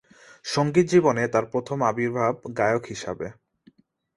সঙ্গীত জীবনে তার প্রথম আবির্ভাব গায়ক হিসাবে।